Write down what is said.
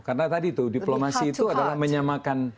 karena tadi itu diplomasi itu adalah menyamakan